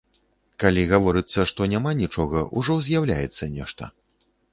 Калі гаворыцца, што няма нічога, ужо з'яўляецца нешта.